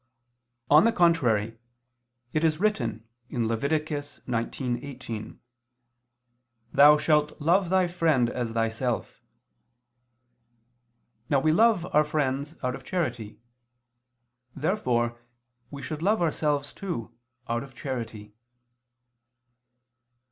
On the contrary, It is written (Lev. 19:18): "Thou shalt love thy friend as thyself." Now we love our friends out of charity. Therefore we should love ourselves too out of charity.